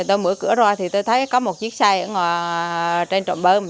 tôi mở cửa ra thì tôi thấy có một chiếc xe ở ngoài trên trộm bơm